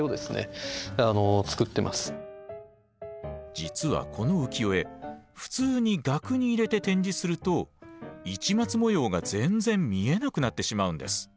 実はこの浮世絵普通に額に入れて展示すると市松模様が全然見えなくなってしまうんです。